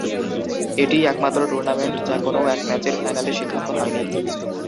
এটিই একমাত্র টুর্নামেন্ট যা কোনও এক ম্যাচের ফাইনালে সিদ্ধান্ত হয়নি।